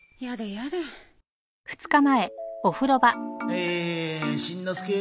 はあしんのすけ